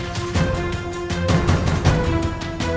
cepat ringkus dia